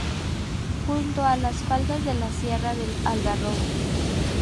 Junto a las faldas de la Sierra del Algarrobo.